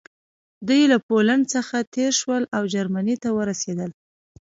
دوی له پولنډ څخه تېر شول او جرمني ته ورسېدل